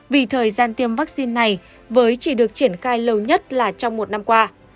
vì thời gian tiêm vaccine này mới chỉ được triển khai lâu nhất là trong một năm qua